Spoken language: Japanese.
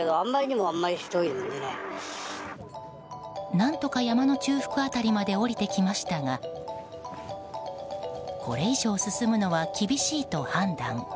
何とか山の中腹辺りまで下りてきましたがこれ以上進むのは厳しいと判断。